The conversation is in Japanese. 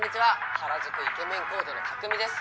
原宿イケメンコーデのタクミです。